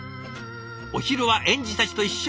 お昼は園児たちと一緒。